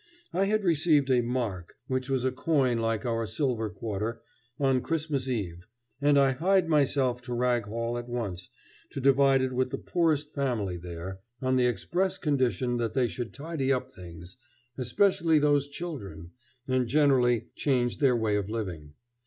I had received a "mark," which was a coin like our silver quarter, on Christmas Eve, and I hied myself to Rag Hall at once to divide it with the poorest family there, on the express condition that they should tidy up things, especially those children, and generally change their way of living.